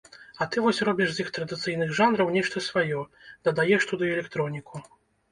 А ты вось робіш з іх традыцыйных жанраў нешта сваё, дадаеш туды электроніку.